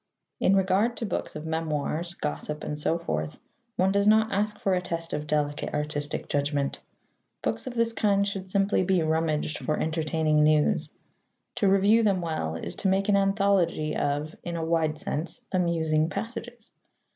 In regard to books of memoirs, gossip, and so forth, one does not ask for a test of delicate artistic judgment. Books of this kind should simply be rummaged for entertaining "news." To review them well is to make an anthology of (in a wide sense) amusing passages.